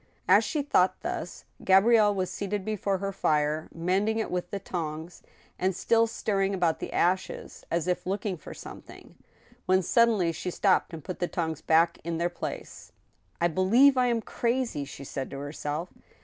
As she thought thus, Gabrielle was seated before her fire, mend ing it With the tongs, and still stirring about the ashes, as if looking for something, when suddenly she stopped and* put the tortgs back in their place. ;* r believe I am crazy !'* she said to herself.'